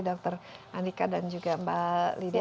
dr andika dan juga mbak lydia